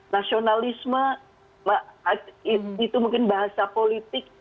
nasionalisme itu mungkin bahasa politik